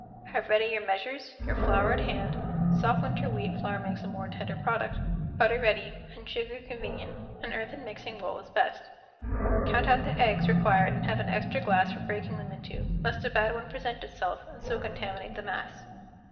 Have ready your measures, your flour at hand (soft winter wheat flour makes a more tender product), butter ready, and sugar con¬ venient—an earthen mixing bowl is best. Count out the eggs re¬ quired and have an extra glass for breaking them into, lest a bad one present itself and so contaminate the mass.